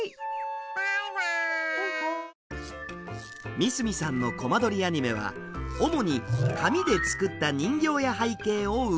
三角さんのコマ撮りアニメは主に紙で作った人形や背景を動かしていくもの。